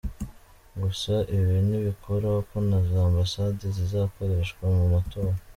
Gusa ibi ntibikuraho ko na za ambasade zizakoreshwa mu matora.